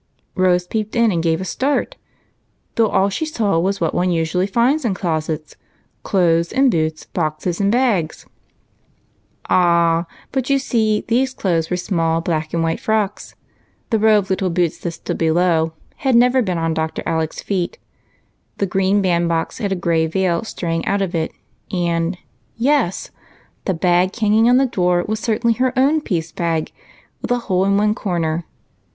Rose peeped in and gave a start, though all she saw was what one usually finds in closets, — clothes and boots, boxes and bags. Ah ! but you see these clothes were small black and white frocks ; the row of little boots that stood below had never been on Dr. Alec's feet ; the green bandbox had a gray veil straying out of it, and, — yes ! the bag hanging on the door was certainly her own piece bag, with a hole in one corner.